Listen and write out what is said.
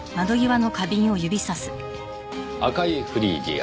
赤いフリージア。